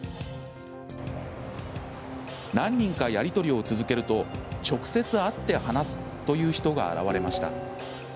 何人か、やり取りを続けると直接、会って話すという人が現れました。